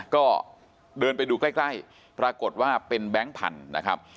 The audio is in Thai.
ก็เดินไปดูใกล้ปรากฏว่าเป็นแบงค์พันธุ์นะครับ